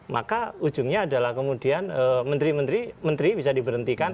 maka ujungnya adalah kemudian menteri menteri menteri bisa diberhentikan